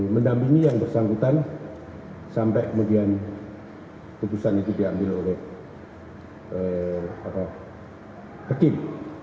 mendampingi yang bersangkutan sampai kemudian keputusan itu diambil oleh hakim